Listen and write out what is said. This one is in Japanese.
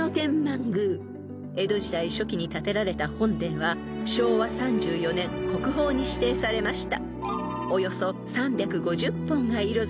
［江戸時代初期に建てられた本殿は昭和３４年国宝に指定されました］